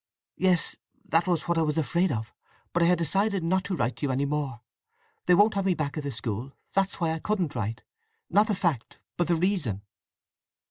"Yes—that was what I was afraid of! But I had decided not to write to you any more. They won't have me back at the school—that's why I couldn't write. Not the fact, but the reason!"